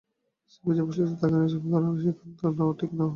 সোফিয়ার যে বৈশিষ্ট্য, তাতে আনুষ্ঠানিক ঘরানার সাক্ষাৎকার নেওয়া ঠিক হবে না।